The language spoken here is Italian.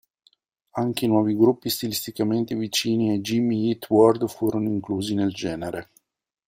Anche i nuovi gruppi stilisticamente vicini ai Jimmy Eat World furono inclusi nel genere.